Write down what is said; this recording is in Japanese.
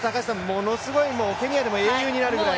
ものすごいケニアで英雄になるくらいの。